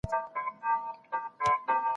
کله چې تقاضا زیاته وي بیه لوړېږي.